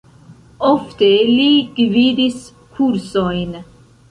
Ofte li gvidis kursojn.